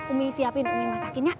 umi siapin umi masakin ya